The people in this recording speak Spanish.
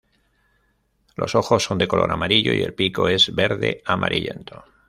Los ojos son de color amarillo y el pico es verde amarillento.